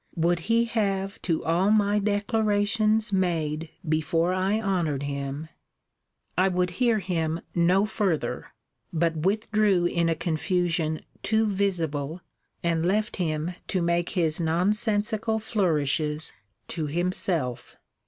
] would he have to all my declarations made before I honoured him I would hear him no further; but withdrew in a confusion too visible, and left him to make his nonsensical flourishes to himself.